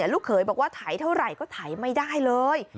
ลูกเขยบอกว่าถ่ายเท่าไหร่ก็ถ่ายไม่ได้เลย